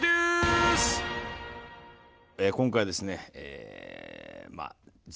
今回はですね。